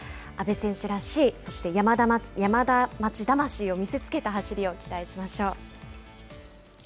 阿部選手らしいそして、山田町魂を見せつけた走りを期待しましょう。